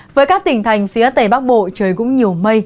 với các tỉnh thành phía tây bắc bộ trời cũng nhiều mây